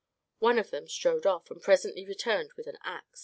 One of them strode off, and presently returned with an ax.